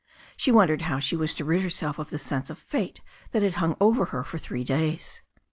She wondered how she was to rid herself of the sense of fate that had hung over her for three days.